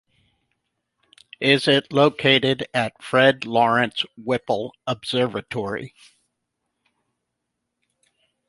It is located at Fred Lawrence Whipple Observatory.